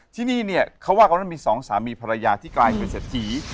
ที่นี่เนี่ยเขาว่ากันว่ามีสองสามีภรรยาที่กลายเป็นเศรษฐี